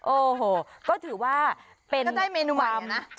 โอ้โหก็ถือว่าเป็นก็ได้เมนูวามนะ